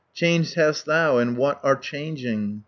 Changed hast thou, and what art changing!